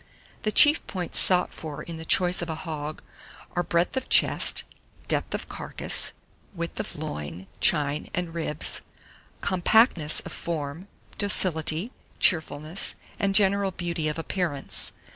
780. THE CHIEF POINTS SOUGHT FOR IN THE CHOICE OF A HOG are breadth of chest, depth of carcase, width of loin, chine, and ribs, compactness of form, docility, cheerfulness, and general beauty of appearance.